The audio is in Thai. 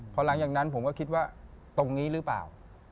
พอหลังจากนั้นผมก็คิดว่าตรงนี้หรือเปล่า